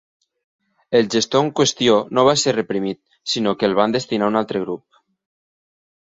El gestor en qüestió no va ser reprimit, sinó que el van destinar a un altre grup.